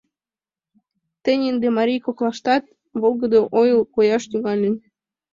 Тений ынде марий коклаштат волгыдо ойып кояш тӱҥалын.